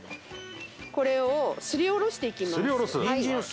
、これをすりおろしていきます。